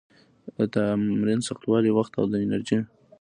د تمرین سختوالي، وخت او د انرژي